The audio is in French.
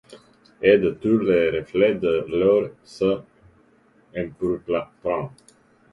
Et, de tous les reflets de l’heure s’empourprant